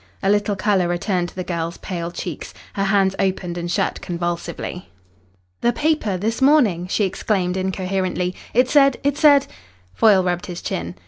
A little colour returned to the girl's pale cheeks. Her hands opened and shut convulsively. "The paper this morning!" she exclaimed incoherently. "It said it said " Foyle rubbed his chin.